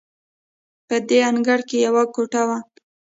په دې انګړ کې یوه کوټه وه.